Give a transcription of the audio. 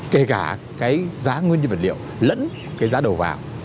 kể cả cái giá nguyên nhân vật liệu lẫn cái giá đầu vào